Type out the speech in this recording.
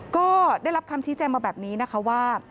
ก็ได้รับคำชี้แจงมาแบบนี้นะคะว่า